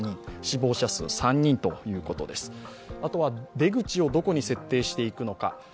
出口をどこに設定していくのか。